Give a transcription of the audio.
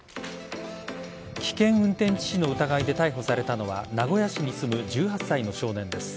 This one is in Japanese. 危険運転致死の疑いで逮捕されたのは名古屋市に住む１８歳の少年です。